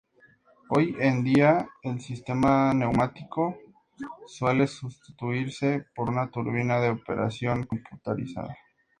Hoy en día, el sistema neumático suele sustituirse por una turbina de operación computarizada.